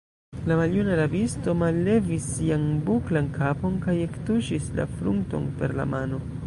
La maljuna rabisto mallevis sian buklan kapon kaj ektuŝis la frunton per la mano.